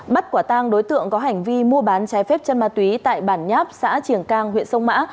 bắt quả tang đối tượng có hành vi mua bán trái phép chân ma túy tại bản nháp xã triển cang huyện sông mã